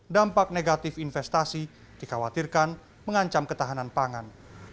dampak negatif investasi dikhawatirkan mengancam ketahanan pangan